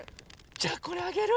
じゃこれあげる！